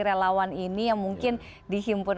relawan ini yang mungkin dihimpun